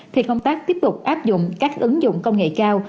thì công tác tiếp tục áp dụng các ứng dụng công nghệ cao